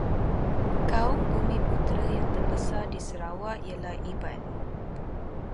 Kaum Bumiputera yang terbesar di Sarawak ialah Iban.